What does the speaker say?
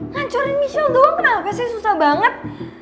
ngancurin michelle doang kenapa sih susah banget